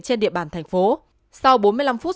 trên địa bàn thành phố sau bốn mươi năm phút